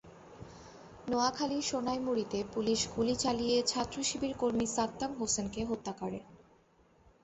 নোয়াখালীর সোনাইমুড়ীতে পুলিশ গুলি চালিয়ে ছাত্রশিবির কর্মী সাদ্দাম হোসেনকে হত্যা করে।